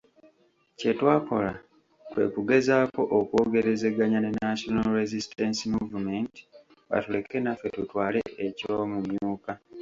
Kye twakola kwe kugezaako okwogerezeganya ne National Resistance Movement batuleke naffe tutwale eky’omumyuka.